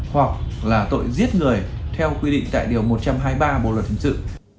hoặc là tội giết người theo quy định tại điều một trăm hai mươi ba bộ luật hình sự